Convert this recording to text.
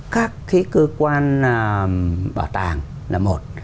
các cái cơ quan bảo tàng là một